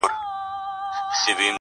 دغه خوار ملنگ څو ځايه تندی داغ کړ